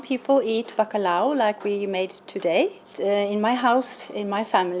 bởi bà có được những người bạn việt nam